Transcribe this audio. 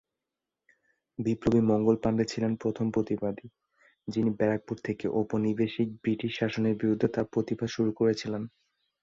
বিপ্লবী মঙ্গল পাণ্ডে ছিলেন প্রথম প্রতিবাদী, যিনি ব্যারাকপুর থেকে ঔপনিবেশিক ব্রিটিশ শাসনের বিরুদ্ধে তার প্রতিবাদ শুরু করেছিলেন।